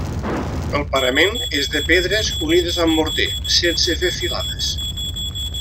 El parament és de pedres unides amb morter sense fer filades.